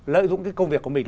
lợi dụng công việc của mình